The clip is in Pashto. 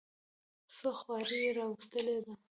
څه خواري یې راوستلې ده.